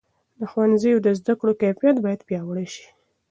د ښوونځیو د زده کړو کیفیت باید پیاوړی سي.